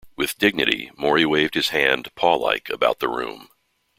With dignity Maury waved his hand paw-like about the room.